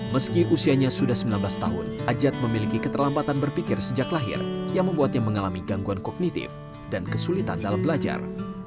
meski usianya sudah sembilan belas tahun ajat memiliki keterlambatan berpikir sejak lahir yang membuatnya mengalami gangguan kognitif dan kesulitan dalam belajar